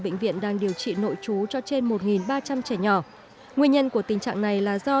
bệnh viện đang điều trị nội trú cho trên một ba trăm linh trẻ nhỏ nguyên nhân của tình trạng này là do